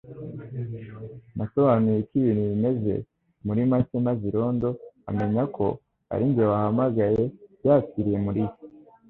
Nasobanuye uko ibintu bimeze muri make maze irondo amenya ko ari njye wahamagaye yakiriye Mulisa.